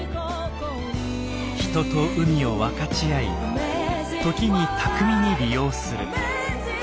人と海を分かち合い時に巧みに利用する。